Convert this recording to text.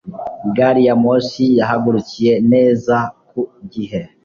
Gari ya moshi yahagurukiye neza ku gihe.